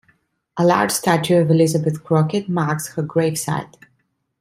A large statue of Elizabeth Crockett marks her grave site.